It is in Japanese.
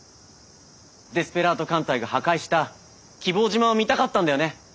デスペラード艦隊が破壊した希望島を見たかったんだよね？